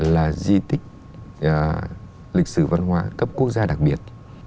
là di tích lịch sử văn hóa cấp quốc gia đặc biệt